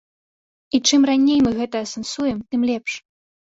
І чым раней мы гэта асэнсуем, тым лепш.